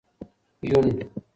یون